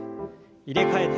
入れ替えて。